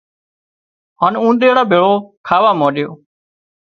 هانَ اونۮيڙا ڀيڙو کاوا مانڏيو